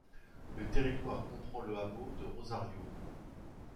Le territoire comprend le hameau de Rosario.